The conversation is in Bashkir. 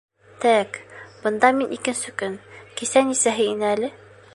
-Тә-әк, бында мин икенсе көн, кисә нисәһе ине әле?